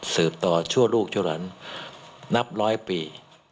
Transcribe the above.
ต่อชั่วลูกชั่วหลานนับร้อยปี